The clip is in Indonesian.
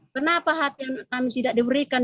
kenapa hati anak kami tidak diberikan